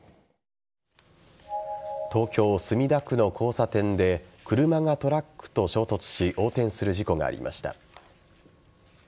東京・墨田区の交差点で車がトラックと衝突し横転する事故がありました。